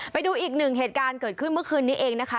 ไปดูอีกหนึ่งเหตุการณ์เกิดขึ้นเมื่อคืนนี้เองนะคะ